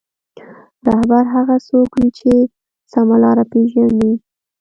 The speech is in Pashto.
رهبر هغه څوک وي چې سمه لاره پېژني.